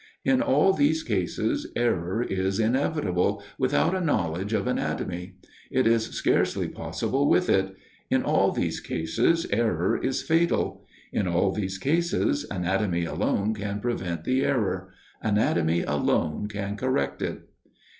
In all these cases error is inevitable, without a knowledge of anatomy: it is scarcely possible with it: in all these cases error is fatal: in all these cases anatomy alone can prevent the error anatomy alone can correct it.